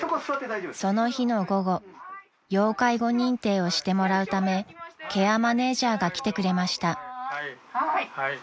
［その日の午後要介護認定をしてもらうためケアマネージャーが来てくれました］